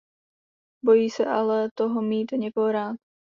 Bojí se ale toho mít někoho rád.